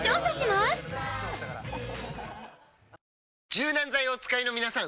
柔軟剤をお使いのみなさん！